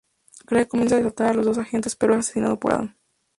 Craig comienza a desatar a las dos agentes, pero es asesinado por Adam.